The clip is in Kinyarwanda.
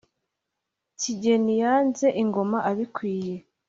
ikigeni yenze ingoma abikwiye